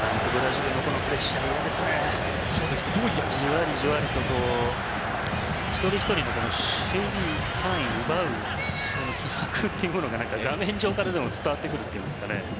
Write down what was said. じわりじわりと一人一人の守備範囲を奪う気迫というものが画面上からも伝わってくると言うんですかね。